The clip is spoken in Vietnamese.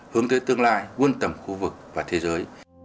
hướng tới tương lai buôn tầm khu vực và thế giới